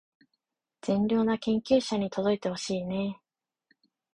善良な研究者に届いてほしいねー